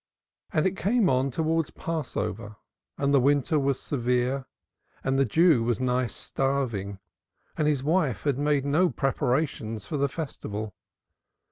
And it came on towards Passover and the winter was severe and the Jew was nigh starving and his wife had made no preparations for the Festival.